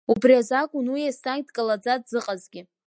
Убри азакәын уи еснагь дкалаӡа дзыҟазгьы.